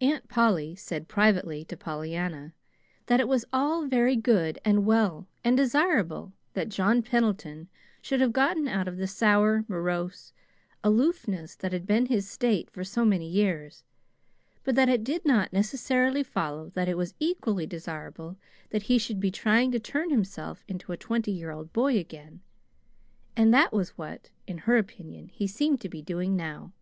Aunt Polly said, privately, to Pollyanna, that it was all very good and well and desirable that John Pendleton should have gotten out of the sour, morose aloofness that had been his state for so many years, but that it did not necessarily follow that it was equally desirable that he should be trying to turn himself into a twenty year old boy again; and that was what, in her opinion, he seemed to be doing now!